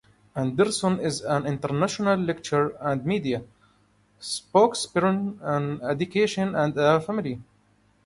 Anderson is an international lecturer and media spokesperson on addictions and the family.